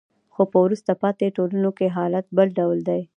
خو په وروسته پاتې ټولنو کې حالت بل ډول دی.